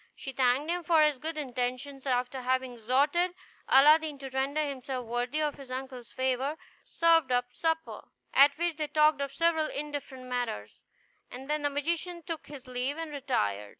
She thanked him for his good intentions; and after having exhorted Aladdin to render himself worthy of his uncle's favor, served up supper, at which they talked of several indifferent matters; and then the magician took his leave and retired.